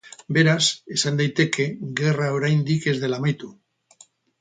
Beraz, esan daiteke gerra oraindik ez dela amaitu.